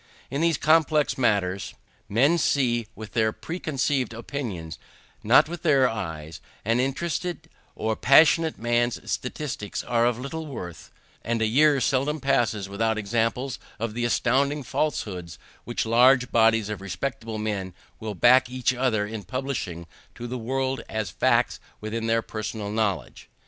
In these complex matters, men see with their preconceived opinions, not with their eyes: an interested or a passionate man's statistics are of little worth; and a year seldom passes without examples of the astounding falsehoods which large bodies of respectable men will back each other in publishing to the world as facts within their personal knowledge.